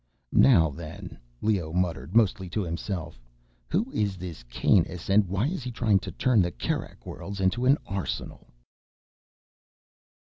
"Now then," Leoh muttered, mostly to himself, "who is this Kanus, and why is he trying to turn the Kerak Worlds into an arsenal?"